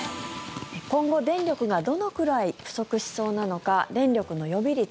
今後、電力がどのくらい不足しそうなのか電力の予備率